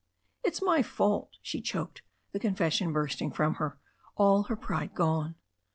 "It's my fault," she choked, the confession bursting from her, her pride gone.